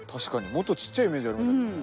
もっとちっちゃいイメージありますよね。